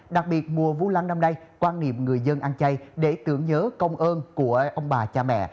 đặc biệt mùa vu lan năm nay quan niệm người dân ăn chay để tưởng nhớ công ơn của ông bà cha mẹ